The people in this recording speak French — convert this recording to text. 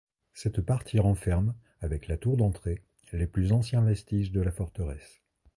Cette partie renferme, avec la tour d'entrée, les plus anciens vestiges de la forteresse.